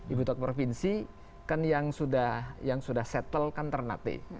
ibu kota provinsi kan yang sudah settle kan ternate